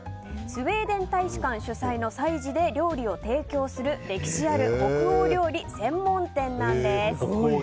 スウェーデン大使館主催の催事で料理を提供する歴史ある北欧料理専門店なんです。